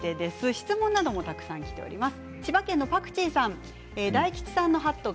質問などもたくさんきています。